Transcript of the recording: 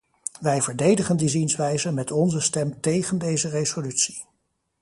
Wij verdedigen die zienswijze met onze stem tegen deze resolutie.